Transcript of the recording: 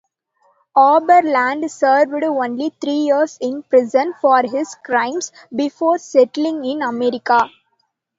Oberlander served only three years in prison for his crimes before settling in America.